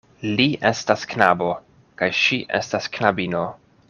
Li estas knabo, kaj ŝi estas knabino.